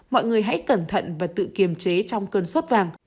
mọi người hãy cẩn thận và tự kiềm chế trong cân suất vàng